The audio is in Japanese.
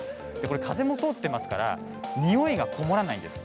風も通っていますからにおいが籠もらないんです。